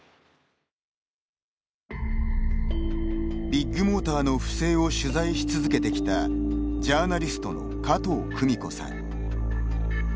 ビッグモーターの不正を取材し続けてきたジャーナリストの加藤久美子さん。